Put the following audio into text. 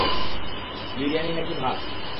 বিরিয়ানি নাকি ভাত?